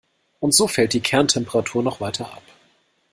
Und so fällt die Kerntemperatur noch weiter ab.